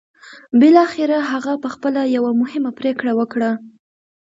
بالاخره هغه پخپله یوه مهمه پرېکړه وکړه